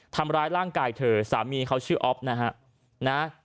ทำร้ายร่างกายเธอสามีเขาชื่ออ๊อฟนะฮะ